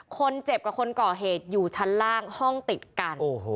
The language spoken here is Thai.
คนเจ็บกับคนก่อเหตุอยู่ชั้นล่างห้องติดกัน